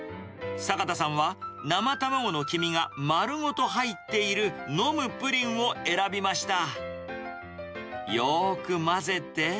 坂田さんは生卵の黄身が丸ごと入っている飲むプリンを選びました。